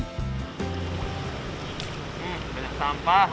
hmm banyak sampah